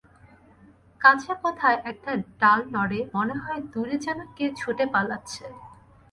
কাছে কোথায় একটা ডাল নড়ে, মনে হয় দূরে যেন কে ছুটে পালাচ্ছে।